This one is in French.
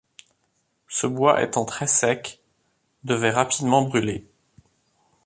Ce bois étant très-sec, devait rapidement brûler